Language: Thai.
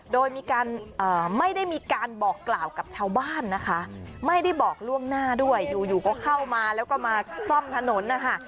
โดยมีการไม่ได้มีการบอกกล่าวกับชาวบ้านนะคะไม่ได้บอกล่วงหน้าด้วยอยู่ก็เข้ามาแล้วก็มาซ่อมถนนนะคะ